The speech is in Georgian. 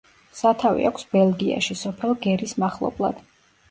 სათავე აქვს ბელგიაში, სოფელ გერის მახლობლად.